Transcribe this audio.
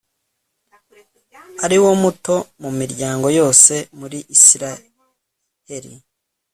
ari wo muto mu miryango yose muri israheli